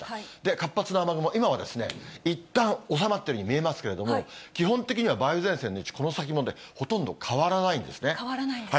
活発な雨雲、今はいったん収まっているように見えますけれども、基本的には梅雨前線の位置、この先もほとんど変わらないんで変わらないんですか？